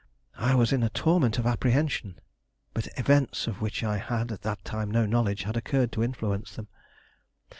I was in a torment of apprehension. But events of which I had at that time no knowledge had occurred to influence them.